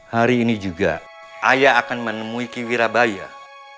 hari ini juga ayah akan menemui kiwira bayah